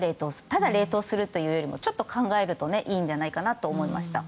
ただ冷凍するだけというよりもちょっと考えるといいんじゃないかなと思いました。